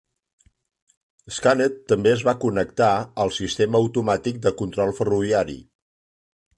Scanet també es va connectar al sistema automàtic de control ferroviari.